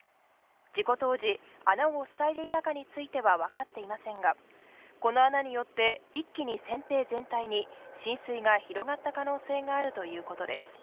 事故当時、穴を塞いでいたかについては分かっていませんが、この穴によって一気に船底全体に浸水が広がった可能性があるということです。